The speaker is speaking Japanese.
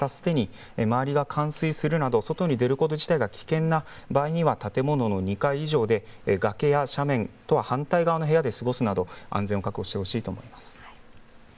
周りがすでに冠水するなど外に出ること自体が危険な場合には建物の２階以上で崖や斜面とは反対側の部屋で過ごすなど、安全確保をしてほしいと思います。